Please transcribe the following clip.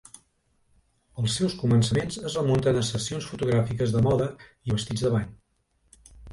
Els seus començaments es remunten a sessions fotogràfiques de moda i vestits de bany.